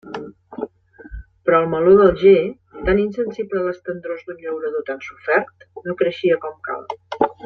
Però el meló d'Alger, tan insensible a les tendrors d'un llaurador tan sofert, no creixia com cal.